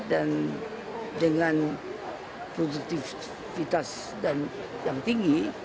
dengan produktivitas yang tinggi